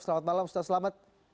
selamat malam ustaz selamat